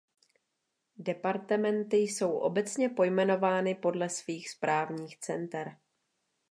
Departementy jsou obecně pojmenovány podle svých správních center.